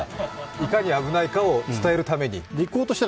いかに危ないかを伝えるようにして。